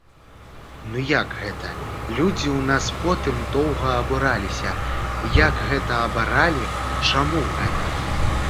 Ну як гэта, людзі ў нас потым доўга абураліся, як гэта абаралі, чаму гэта?